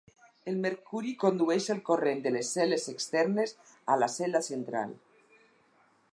El mercuri condueix el corrent de les cel·les externes a la cel·la central.